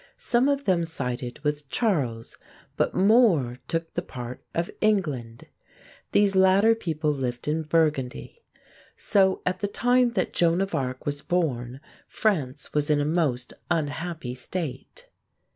Some of them sided with Charles; but more took the part of England. These latter people lived in Burgundy. So at the time that Joan of Arc was born France was in a most unhappy state.